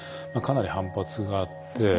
まあかなり反発があって。